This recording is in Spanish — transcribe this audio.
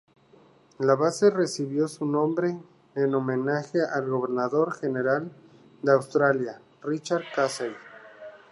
La base recibió su nombre en homenaje al gobernador general de Australia Richard Casey.